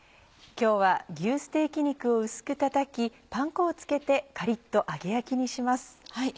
今日は牛ステーキ肉を薄く叩きパン粉をつけてカリっと揚げ焼きにします。